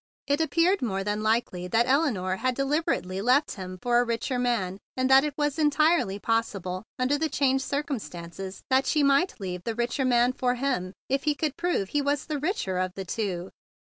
It appeared more than likely that Elinore had deliberately left him for a richer man, and that it was entirely possible under the changed circumstances that she might leave the richer man for him if he could prove that he was the richer of the two.